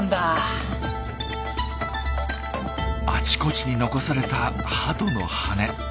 あちこちに残されたハトの羽根。